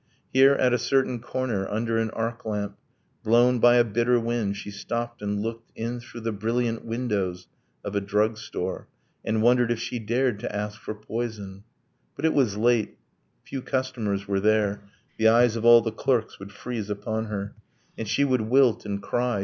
. Here, at a certain corner, under an arc lamp, Blown by a bitter wind, she stopped and looked In through the brilliant windows of a drug store, And wondered if she dared to ask for poison: But it was late, few customers were there, The eyes of all the clerks would freeze upon her, And she would wilt, and cry